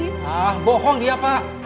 hah bohong dia pak